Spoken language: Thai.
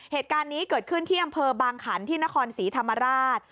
เหตุการณ์นี้เกิดขึ้นที่อำเภอบางขันที่นครศรีธรรมราช